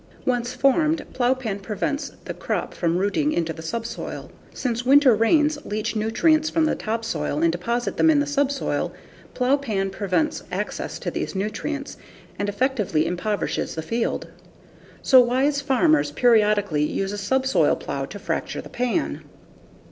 Once formed plowpan prevents the crop from rooting into the subsoil. Since winter rains leach nutrients from the topsoil and deposit them in the subsoil, plowpan prevents access to these nutrients and effectively impoverishes the field. So wise farmers periodically use a subsoil plow to fracture the pan.